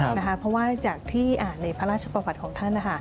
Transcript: เพราะว่าจากที่อ่านในพระราชประวัติของท่าน